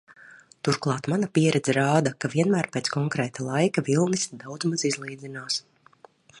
Turklāt, mana pieredze rāda, ka vienmēr pēc konkrēta laika, vilnis daudzmaz izlīdzinās.